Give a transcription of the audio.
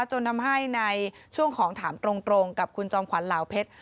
จนทำให้ในช่วงของถามตรงกับคุณจอมขวัญเหลาเพชร